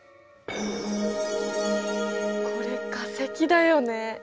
これ化石だよね。